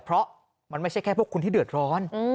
เพราะมันไม่ใช่แค่พวกคุณที่เดือดร้อน